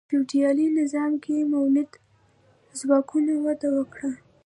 په فیوډالي نظام کې مؤلده ځواکونه وده وکړه.